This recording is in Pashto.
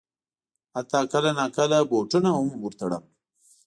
حتی کله ناکله بوټان هم ور تړم.